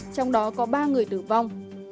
trong đó có ba người tử vong